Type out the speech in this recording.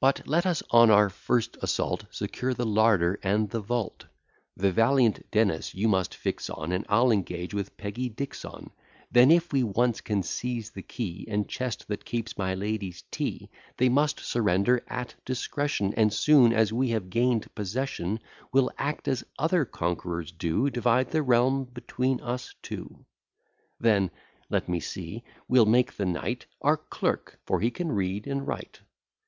But let us on our first assault Secure the larder and the vault; The valiant Dennis, you must fix on, And I'll engage with Peggy Dixon: Then, if we once can seize the key And chest that keeps my lady's tea, They must surrender at discretion! And, soon as we have gain'd possession, We'll act as other conquerors do, Divide the realm between us two; Then, (let me see,) we'll make the knight Our clerk, for he can read and write.